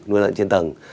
nuôi lợn trên tầng